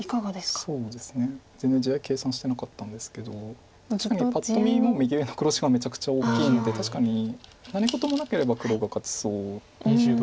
全然地合い計算してなかったんですけどパッと見右上の黒地がめちゃくちゃ大きいので確かに何事もなければ黒が勝ちそうだと思うんですけど。